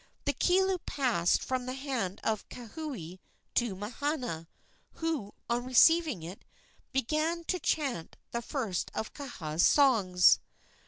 The kilu passed from the hand of Kauhi to Mahana, who, on receiving it, began to chant the first of Kaha's songs.